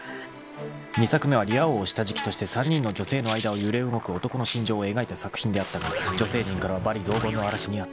［２作目は『リア王』を下敷きとして３人の女性の間を揺れ動く男の心情を描いた作品であったが女性陣からは罵詈雑言の嵐に遭った］